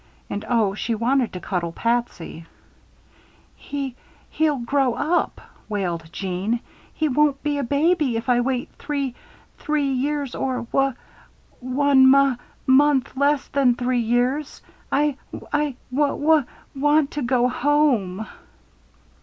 And oh, she wanted to cuddle Patsy. "He he'll grow up," wailed Jeanne. "He won't be a baby if I wait three three years, or wu one muh month less than three years. I I wu wu want to go home."